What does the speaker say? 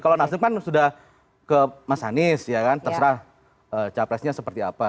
kalau mas dem kan sudah ke mas hanis ya kan terserah capresnya seperti apa